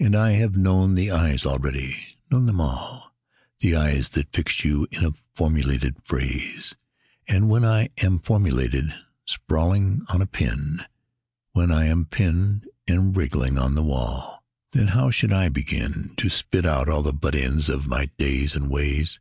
And I have known the eyes already, known them all The eyes that fix you in a formulated phrase, And when I am formulated, sprawling on a pin, When I am pinned and wriggling on the wall, Then how should I begin To spit out all the butt ends of my days and ways?